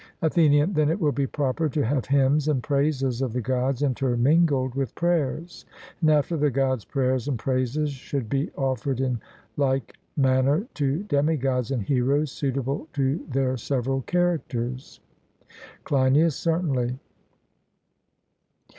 ATHENIAN: Then it will be proper to have hymns and praises of the Gods, intermingled with prayers; and after the Gods prayers and praises should be offered in like manner to demigods and heroes, suitable to their several characters. CLEINIAS: Certainly.